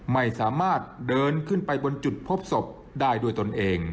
ไม่สามารถเดินขึ้นไปบนจุดพบศพได้ด้วยตนเอง